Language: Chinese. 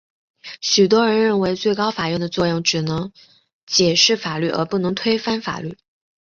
许多人认为最高法院的作用最多只能解释法律而不能推翻法律。